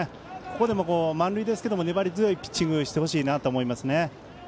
ここでも満塁ですけど粘り強いピッチングしてほしいですね。